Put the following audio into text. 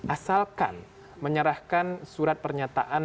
asalkan menyerahkan surat pernyataan